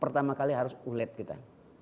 pertama kali harus ulet kita